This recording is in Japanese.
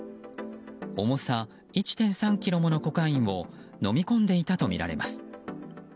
重さ１．３ｋｇものコカインをのみ込んでいたとみられます。